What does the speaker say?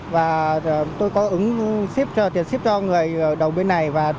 và tôi có ứng ship tiền ship cho người đầu bên này